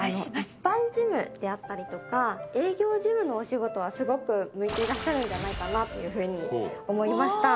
一般事務であったりとか営業事務のお仕事はすごく向いていらっしゃるんじゃないかなというふうに思いました。